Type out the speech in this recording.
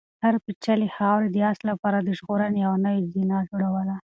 هرې بیلچې خاورې د آس لپاره د ژغورنې یوه نوې زینه جوړوله.